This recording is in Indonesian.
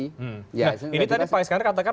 ini tadi pak iskandar katakan